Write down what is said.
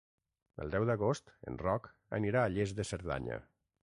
El deu d'agost en Roc anirà a Lles de Cerdanya.